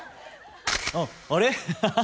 あっあれ？